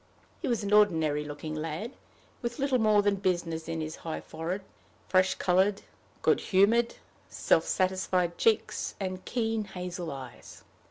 He was an ordinary looking lad, with little more than business in his high forehead, fresh colored, good humored, self satisfied cheeks, and keen hazel eyes.